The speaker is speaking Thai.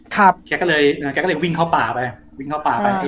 แกเลยวิ่งเข้าป่าไป